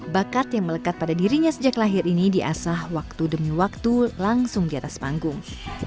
bakat yang melekat pada dirinya sejak lahir ini diasah waktu demi waktu langsung di atas panggung